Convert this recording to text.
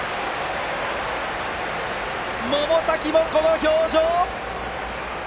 百崎もこの表情！